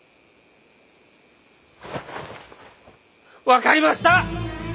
分かりました！